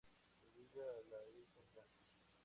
Subida a la Virgen Blanca.